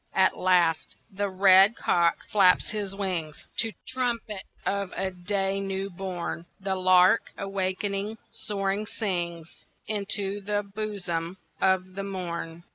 At last the red cock flaps his wings To trumpet of a day new born. The lark, awaking, soaring sings Into the bosom of the morn.